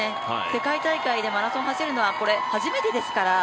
世界大会でマラソンを走るのはこれ、初めてですから。